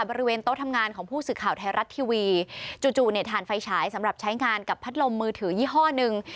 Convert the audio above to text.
บริเวณโต๊ะทำงานของผู้สื่อข่าวไทยรัฐทีวีจู่เนี่ยถ่านไฟฉายสำหรับใช้งานกับพัดลมมือถือยี่ห้อหนึ่ง